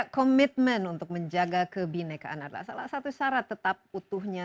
komitmen untuk menjaga kebinekaan adalah salah satu syarat tetap utuhnya